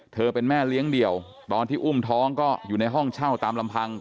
เป็นแม่เลี้ยงเดี่ยวตอนที่อุ้มท้องก็อยู่ในห้องเช่าตามลำพัง